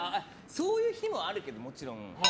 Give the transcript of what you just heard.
そういう日もあるけどもちろん。